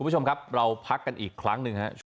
คุณผู้ชมครับเราพักกันอีกครั้งหนึ่งครับ